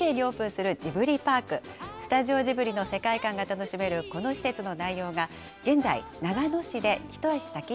スタジオジブリの世界観が楽しめるこの施設の内容が、現在、長野